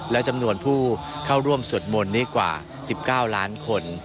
และจำนวนผู้เข้าร่วมสวดมนต์นี้กว่า๑๙ล้านคน